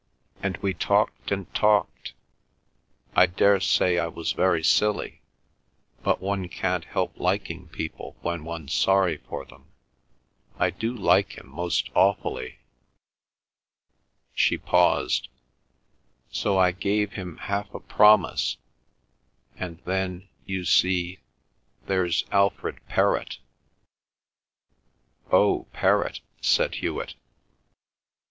And we talked and talked. I daresay I was very silly, but one can't help liking people when one's sorry for them. I do like him most awfully—" She paused. "So I gave him half a promise, and then, you see, there's Alfred Perrott." "Oh, Perrott," said Hewet.